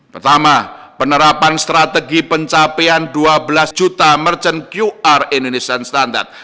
pertama penerapan strategi pencapaian dua belas juta merchant qr indonesian standard